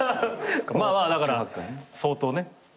まあまあだから相当ね。